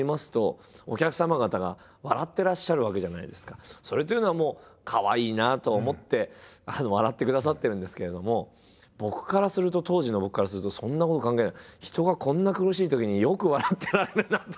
それでぱっとそれというのはかわいいなと思って笑ってくださってるんですけれども僕からすると当時の僕からするとそんなこと関係ない。